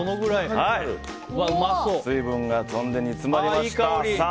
水分が飛んで、煮詰まりました。